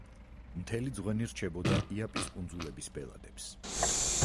მთელი ძღვენი რჩებოდა იაპის კუნძულების ბელადებს.